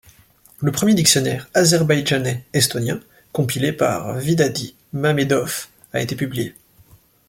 Le premier dictionnaire azerbaïdjanais-estonien, compilé par Vidadi Mamedov, a été publié.